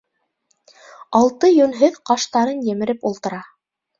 Алты йүнһеҙ ҡаштарын емереп ултыра.